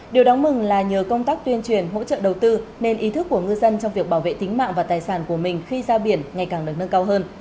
điều đáng mừng là nhờ công tác tuyên truyền hỗ trợ đầu tư nên ý thức của ngư dân trong việc bảo vệ tính mạng và tài sản của mình khi ra biển ngày càng được nâng cao hơn